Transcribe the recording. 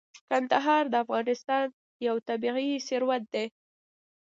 کندهار د افغانستان یو طبعي ثروت دی.